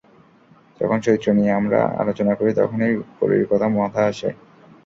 যখন চরিত্র নিয়ে আমরা আলোচনা করি তখনই পরীর কথা মাথা আসে।